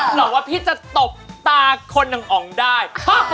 หรอกว่าพี่จะตบตาคนอังอ๋องได้